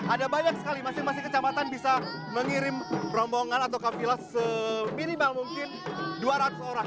ada banyak sekali masing masing kecamatan bisa mengirim rombongan atau kafilah seminimal mungkin dua ratus orang